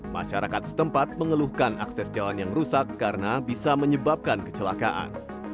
masyarakat setempat mengeluhkan akses jalan yang rusak karena bisa menyebabkan kecelakaan